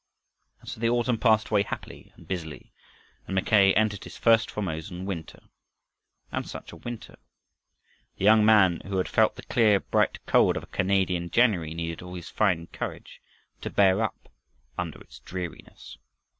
And so the autumn passed away happily and busily, and Mackay entered his first Formosan winter. And such a winter! The young man who had felt the clear, bright cold of a Canadian January needed all his fine courage to bear up under its dreariness.